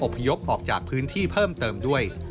พยพออกจากพื้นที่เพิ่มเติมด้วย